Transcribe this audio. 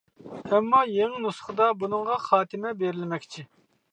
ئەمما يېڭى نۇسخىدا بۇنىڭغا خاتىمە بېرىلمەكچى.